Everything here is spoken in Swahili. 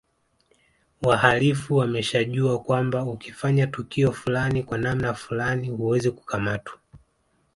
Wahalifu wameshajua kwamba ukifanya tukio fulani kwa namna fulani huwezi kukamatwa